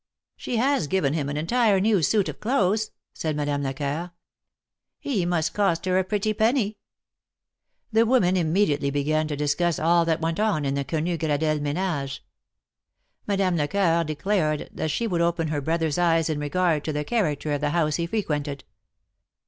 She has given him an entire new suit of clothes," said Madame Lecoeur. He must cost her a pretty penny." The women immediately began to discuss all that went on in the Quenu Gradelle menage. Madame Lecoeur declared that she would open her brother's eyes in regard to the character of the house he frequented.